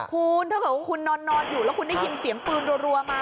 คุณถ้าเกิดว่าคุณนอนอยู่แล้วคุณได้ยินเสียงปืนรัวมา